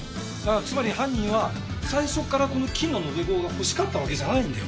つまり犯人は最初からこの金の延べ棒が欲しかったわけじゃないんだよ。